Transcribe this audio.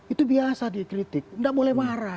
itu biasa dia kritik tidak boleh marah